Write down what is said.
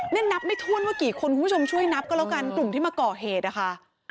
นี่นับไม่ถ้วนว่ากี่คนคุณผู้ชมช่วยนับก็แล้วกันกลุ่มที่มาก่อเหตุนะคะ